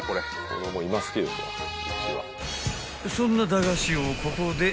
［そんな駄菓子王ここで］